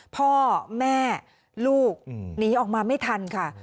พ่อแม่ลูกหนีออกมาไม่ทันค่ะ